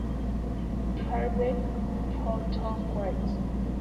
Harvey o Tom Waits.